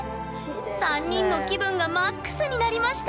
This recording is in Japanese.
３人の気分がＭＡＸになりました！